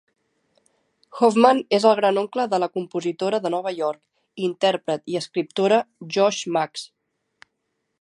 Hoffman és el gran oncle de la compositora de Nova York, intèrpret i escriptora Josh Max.